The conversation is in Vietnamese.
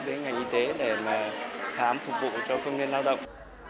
với ngành y tế để khám phục vụ cho công nhân lao động